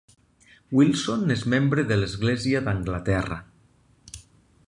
Wilson és membre de l'Església d'Anglaterra.